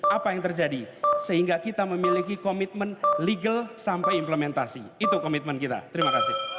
apa yang terjadi sehingga kita memiliki komitmen legal sampai implementasi itu komitmen kita terima kasih